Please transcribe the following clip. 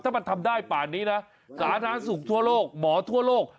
ถ้ามันทำได้ป่านนี้นะสาธารณสุขทั่วโลกหมอทั่วโลก